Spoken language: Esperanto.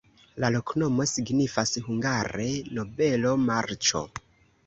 La loknomo signifas hungare: nobelo-marĉo.